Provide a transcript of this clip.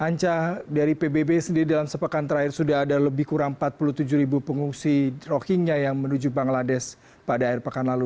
anca dari pbb sendiri dalam sepekan terakhir sudah ada lebih kurang empat puluh tujuh ribu pengungsi rohingya yang menuju bangladesh pada air pekan lalu